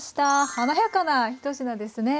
華やかな１品ですね。